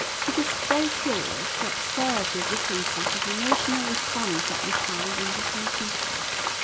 It is very curious to observe the differences of emotional response that you find in different people.